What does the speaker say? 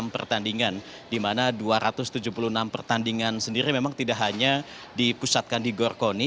dua ratus tujuh puluh enam pertandingan di mana dua ratus tujuh puluh enam pertandingan sendiri memang tidak hanya di pusatkan di gorkoni